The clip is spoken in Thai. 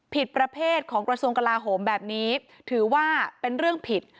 ผิดประเภทของกระทรวงกลาโหมแบบนี้ถือว่าเป็นเรื่องผิด